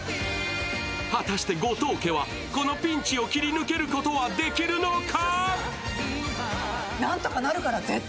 果たして後藤家はこのピンチを切り抜けることはできるのか？